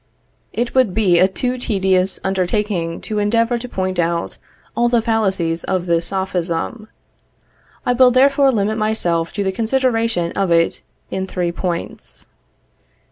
It would be a too tedious undertaking to endeavor to point out all the fallacies of this Sophism. I will therefore limit myself to the consideration of it in three points.